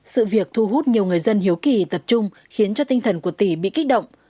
sự việc thu hút nhiều người dân hiếu kỳ tập trung khiến cho tinh thần của tỷ bị kích động